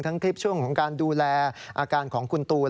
คลิปช่วงของการดูแลอาการของคุณตูน